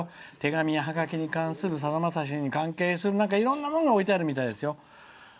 ハガキ・手紙に関するさだまさしに関係するいろんなものが置いてあるみたいですよ。